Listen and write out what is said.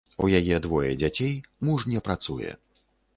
У яе двое дзяцей, муж не працуе.